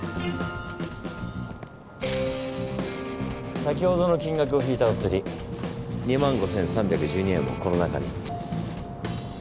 先ほどの金額を引いたお釣り２万５，３１２円もこの中に。